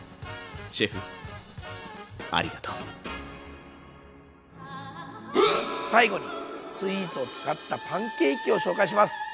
シェフありがとう最後にスイーツを使ったパンケーキを紹介します。